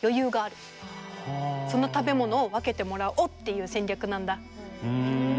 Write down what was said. その食べ物を分けてもらおうっていう戦略なんだ。